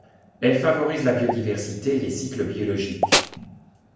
Elle favorise la biodiversité et les cycles biologiques.